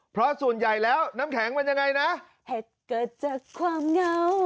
เพราะส่วนใหญ่แล้วน้ำแข็งมันยังไงนะเห็ดเกิดจากความเงา